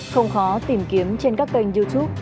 không khó tìm kiếm trên các kênh youtube